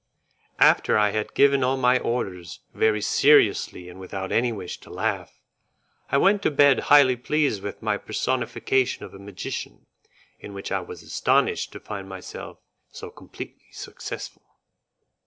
After I had given all my orders very seriously and without any wish to laugh, I went to bed highly pleased with my personification of a magician, in which I was astonished to find myself so completely successful.